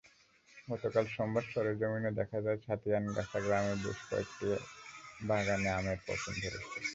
গতকাল সোমবার সরেজমিনে দেখা যায়, ছাতিয়ানগাছা গ্রামের বেশ কয়েকটি বাগানে আমের পচন ধরেছে।